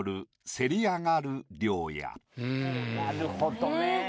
なるほどね。